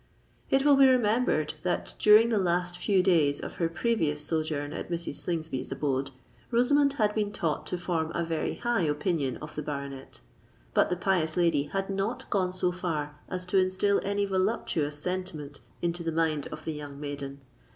It will be remembered that, during the last few days of her previous sojourn at Mrs. Slingsby's abode, Rosamond had been taught to form a very high opinion of the baronet; but the pious lady had not gone so far as to instil any voluptuous sentiment into the mind of the young maiden.